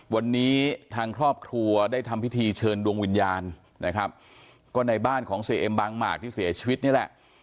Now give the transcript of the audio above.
วันนี้ทางครอบครัวได้ทำพิธีเชิญดวงวิญญาณนะครับก็ในบ้านของเสียเอ็มบางหมากที่เสียชีวิตนี่แหละ